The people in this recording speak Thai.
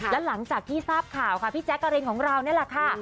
แล้วหลังจากที่ทราบข่าวพี่แจ๊คกาเรนของเรานั่นล่ะค่ะ